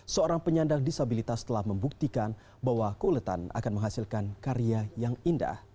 seorang penyandang disabilitas telah membuktikan bahwa keuletan akan menghasilkan karya yang indah